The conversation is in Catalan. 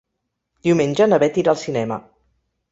Diumenge na Bet irà al cinema.